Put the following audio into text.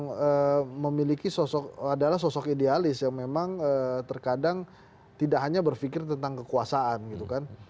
yang memiliki sosok adalah sosok idealis yang memang terkadang tidak hanya berpikir tentang kekuasaan gitu kan